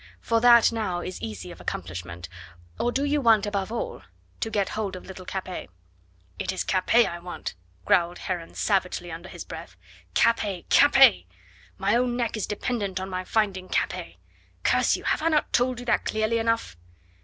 For that now is easy of accomplishment; or do you want, above all, to get hold of little Capet?" "It is Capet I want," growled Heron savagely under his breath. "Capet! Capet! My own neck is dependent on my finding Capet. Curse you, have I not told you that clearly enough?"